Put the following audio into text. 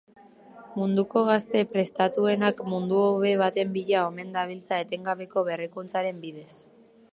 Munduko gazte prestatuenak mundu hobe baten bila omen dabiltza etengabeko berrikuntzaren bidez.